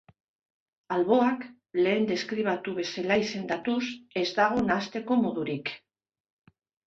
Alboak, lehen deskribatu bezala izendatuz, ez dago nahasteko modurik.